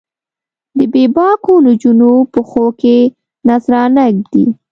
د بې باکو نجونو پښو کې نذرانه ږدي